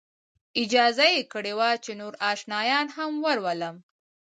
اجازه یې کړې وه چې نور آشنایان هم ورولم.